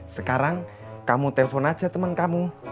sekarang kamu telpon aja temen kamu